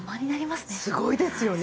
すごいですよね。